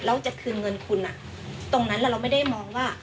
เราจะคืนเงินคุณอ่ะตรงนั้นเราไม่ได้มองว่า